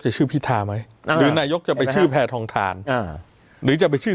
ชื่อพิธาไหมหรือนายกจะไปชื่อแพทองทานอ่าหรือจะไปชื่อ